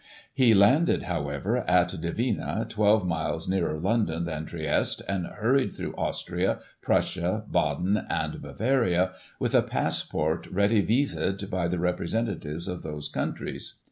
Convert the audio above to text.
He landed, however, at Divina, twelve miles nearer London than Trieste, and hurried through Austria, Prussia, Baden, and Bavaria, with a passport ready vistd by the representatives of those countries.